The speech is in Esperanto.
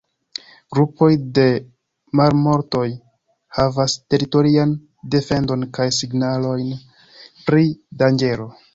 Grupoj de marmotoj havas teritorian defendon kaj signalojn pri danĝero.